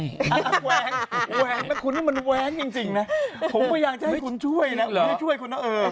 แหวงแหวงนะคุณมันแหวงจริงนะผมไม่อยากจะให้คุณช่วยนะไม่ให้ช่วยคุณน้อเออ